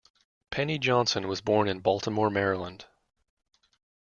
Penny Johnson was born in Baltimore, Maryland.